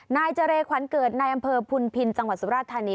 นายเจรขวัญเกิดในอำเภอพุนพินจังหวัดสุราธานี